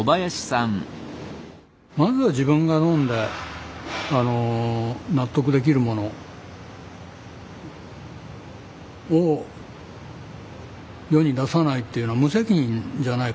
まずは自分が飲んで納得できるものを世に出さないっていうのは無責任じゃないかと。